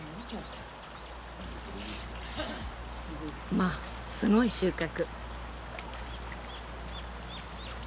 まあすごい収穫！